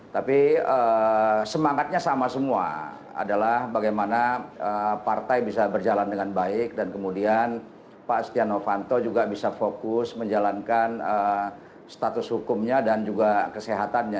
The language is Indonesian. tapi semangatnya sama semua adalah bagaimana partai bisa berjalan dengan baik dan kemudian pak setia novanto juga bisa fokus menjalankan status hukumnya dan juga kesehatannya